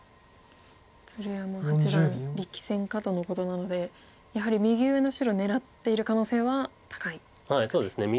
鶴山八段力戦家とのことなのでやはり右上の白狙っている可能性は高いですかね。